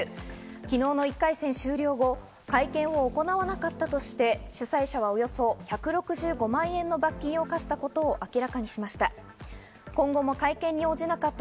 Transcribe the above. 昨日の１回戦終了後、会見を行わなかったとして、主催者はおよそ１６５万円の罰金を科したことを明らかにしました。